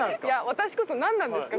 私こそなんなんですか？